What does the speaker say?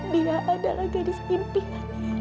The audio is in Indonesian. dia adalah gadis impiannya